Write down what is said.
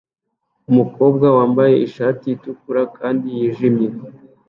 Umukobwa wambaye ishati itukura kandi yijimye